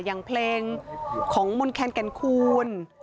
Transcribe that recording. อย่างเพลงของมนต์แคนแก่นคูณ